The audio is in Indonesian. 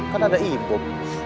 kan ada ibub